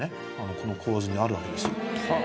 この構図にあるわけですよ。